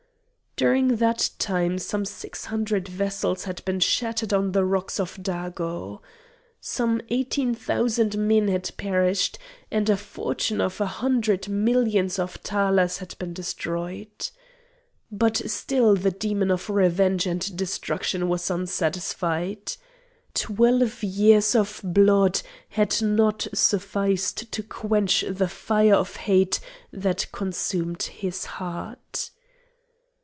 During that time some six hundred vessels had been shattered on the rocks of Dago. Some eighteen thousand men had perished, and a fortune of a hundred millions of thalers had been destroyed. But still the demon of revenge and destruction was unsatisfied. Twelve years of blood had not sufficed to quench the fire of hate that consumed his heart.